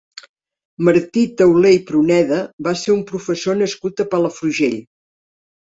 Martí Tauler i Pruneda va ser un professor nascut a Palafrugell.